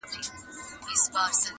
قرنطین دی لګېدلی د سرکار امر چلیږي٫